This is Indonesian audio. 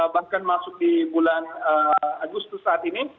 bahkan masuk di bulan agustus saat ini